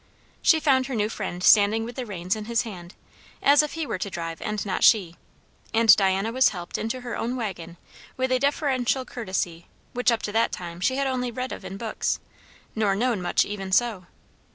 She found her new friend standing with the reins in his hand, as if he were to drive and not she; and Diana was helped into her own waggon with a deferential courtesy which up to that time she had only read of in books; nor known much even so.